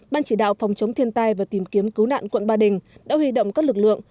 ban chỉ đạo phòng chống thiên tai và tìm kiếm cứu nạn quận ba đình đã huy động các lực lượng